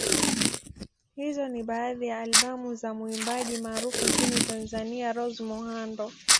Hizo ni baadhi ya albamu za muimbaji maarufu nchini Tazania Rose Muhando